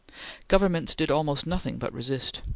Governments did almost nothing but resist.